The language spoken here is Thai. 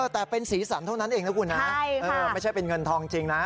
แต่เป็นสีสันเท่านั้นเองนะคุณนะไม่ใช่เป็นเงินทองจริงนะ